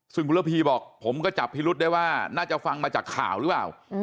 ซึ่งคุณระพีบอกผมก็จับพิรุษได้ว่าน่าจะฟังมาจากข่าวหรือเปล่า